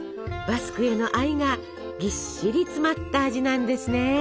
バスクへの愛がぎっしり詰まった味なんですね。